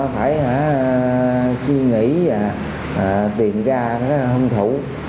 phải suy nghĩ và tìm ra hôn thủ